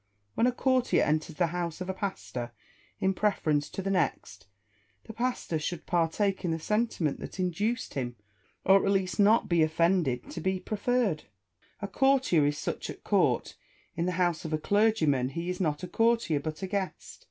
When a courtier enters the house of a pastor in preference to the next, the pastor should partake in the sentiment that induced him, or at least not be offended to be preferred. A courtier is such at court : in the house of a clergyman he is not a courtier, but a guest.